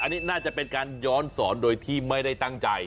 อันนี้น่าจะเป็นการย้อนสอนโดยที่ไม่ได้ตั้งใจ